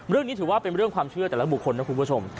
เรื่องนี้ถือว่าเป็นเรื่องความเชื่อแต่ละบุคคลนะคุณผู้ชม